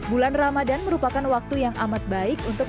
bulan ramadan merupakan waktu yang amat baik untuk